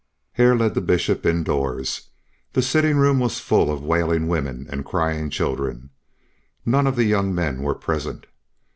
Hare led the Bishop indoors. The sitting room was full of wailing women and crying children. None of the young men were present.